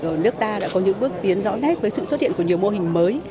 ngành du lịch nước ta đã có những bước tiến rõ nét với sự xuất hiện của nhiều mô hình mới